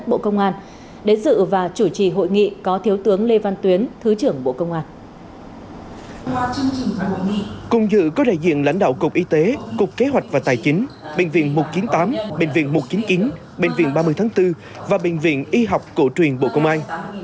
bệnh viện một trăm chín mươi tám bệnh viện một trăm chín mươi chín bệnh viện ba mươi tháng bốn và bệnh viện y học cổ truyền bộ công an